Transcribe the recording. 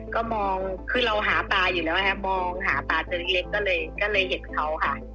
ก็มองคือเราหาปลาอยู่แล้วนะคะมองหาปลาตัวเล็กก็เลยเห็นเขาค่ะ